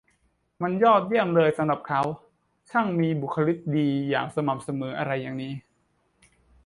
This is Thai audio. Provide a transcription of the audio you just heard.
มันเยี่ยมยอดเลยสำหรับเขา ช่างมีบุคคลิกดีอย่างสม่ำเสมออะไรเช่นนี้